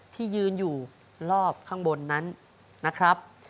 ที่ยืนอยู่รอบข้างบนนั้นนะครับ